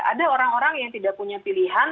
ada orang orang yang tidak punya pilihan